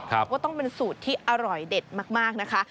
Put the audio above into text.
ว่าต้องเป็นสูตรที่อร่อยเด็ดมากนะคะ